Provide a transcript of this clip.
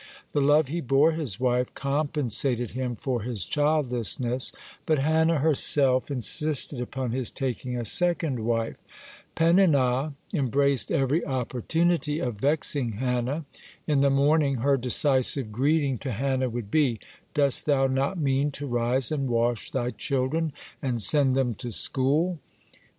(6) The love he bore his wife compensated him for his childlessness, but Hannah herself insisted upon his taking a second wife. Peninnah embraced every opportunity of vexing Hannah. In the morning her derisive greeting to Hannah would be: "Dost thou not mean to rise and wash thy children, and send them to school?"